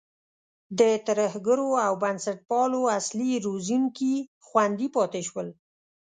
د ترهګرو او بنسټپالو اصلي روزونکي خوندي پاتې شول.